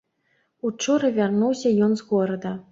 Учора вярнуўся ён з горада.